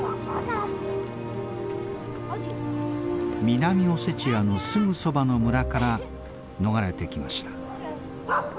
南オセチアのすぐそばの村から逃れてきました。